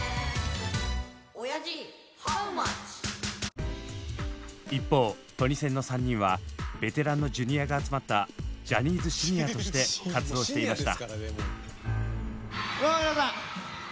「おやじハウマッチ⁉」一方トニセンの３人はベテランのジュニアが集まったジャニーズＳｒ．として活動していました。